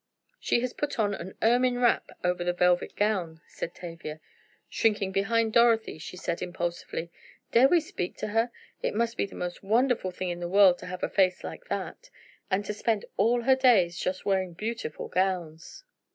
"She has put on an ermine wrap over the velvet gown," said Tavia. Shrinking behind Dorothy she said impulsively: "Dare we speak to her? It must be the most wonderful thing in the world to have a face like that! And to spend all her days just wearing beautiful gowns!"